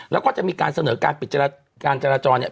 แล้วก็จะมีการเสนอการปิดการจราจรเนี่ย